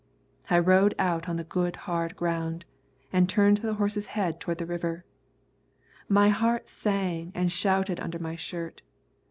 I rode out on the good hard ground, and turned the horse's head toward the river. My heart sang and shouted under my shirt.